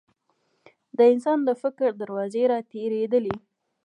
د انسان د فکر دروازې راتېرېدلې.